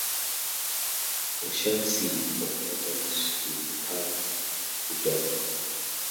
The Shire's seat of government is the town of Mundijong.